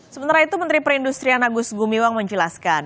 sementara itu menteri perindustrian agus gumiwang menjelaskan